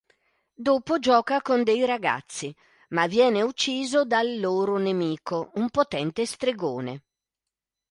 Dopo gioca con dei ragazzi, ma viene ucciso dal “loro nemico”, un potente stregone.